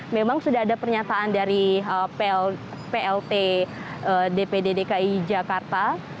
memang sudah ada pernyataan dari plt dpd dki jakarta